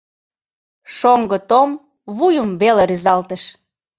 Шоҥго Том вуйым веле рӱзалтыш.